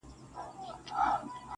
په عزت په شرافت باندي پوهېږي,